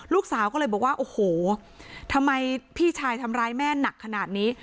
ลูกสาวก็เลยบอกว่าโอ้โหทำไมพี่ชายทำร้ายแม่หนักขนาดนี้